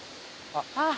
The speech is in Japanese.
あっ！